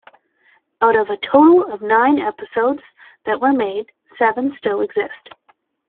Out of a total of nine episodes that were made, seven still exist.